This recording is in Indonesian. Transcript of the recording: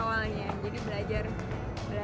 mama itu itu pebisnis yang dari nol